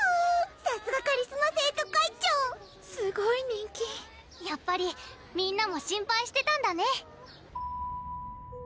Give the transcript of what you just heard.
さすがカリスマ生徒会長すごい人気やっぱりみんなも心配してたんだね